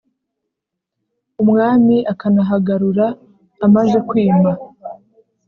umwami akanahagarura amaze kwima